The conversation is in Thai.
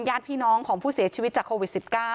ญาติพี่น้องของผู้เสียชีวิตจากโควิด๑๙